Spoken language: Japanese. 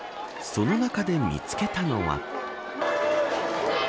その中で見つけたのは。